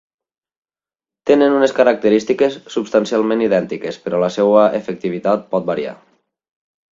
Tenen unes característiques substancialment idèntiques, però la seva efectivitat pot variar.